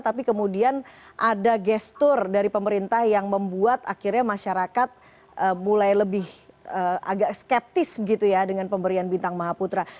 tapi kemudian ada gestur dari pemerintah yang membuat akhirnya masyarakat mulai lebih agak skeptis gitu ya dengan pemberian bintang maha putra